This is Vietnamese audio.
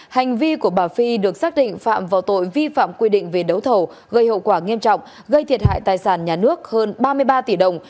hành vi của bà phi được xác định phạm vào tội vi phạm quy định về đấu thầu gây hậu quả nghiêm trọng gây thiệt hại tài sản nhà nước hơn ba mươi ba tỷ đồng